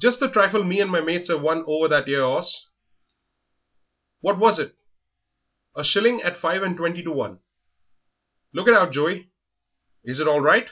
"Just the trifle me and my mates 'av won over that 'ere 'orse." "What was it?" "A shilling at five and twenty to one." "Look it out, Joey. Is it all right?"